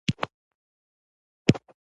د غاښونو خرابوالی د وینې کمښت لامل ګرځي.